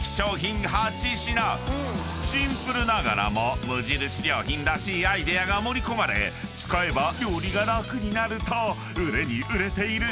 ［シンプルながらも無印良品らしいアイデアが盛り込まれ使えば料理が楽になると売れに売れている商品たち］